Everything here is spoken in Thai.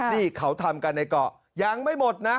นี่เขาทำกันในเกาะยังไม่หมดนะ